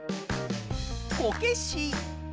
こけし。